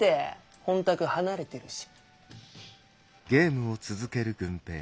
本宅離れてるし。